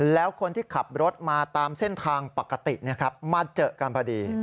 แล้วคนที่ขับรถมาตามเส้นทางปกติมาเจอกันพอดี